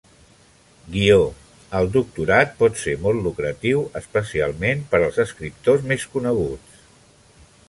Guió-el doctorat pot ser molt lucratiu, especialment per als escriptors més coneguts.